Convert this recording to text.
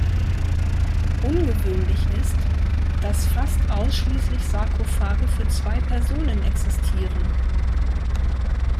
Ungewöhnlich ist, dass fast ausschließlich Sarkophage für zwei Personen existieren.